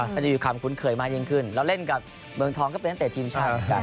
มันจะมีความคุ้นเคยมากยิ่งขึ้นแล้วเล่นกับเมืองทองก็เป็นตั้งแต่ทีมชั้นกัน